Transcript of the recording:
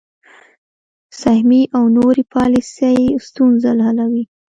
سهمیې او نورې پالیسۍ ستونزه حلوي.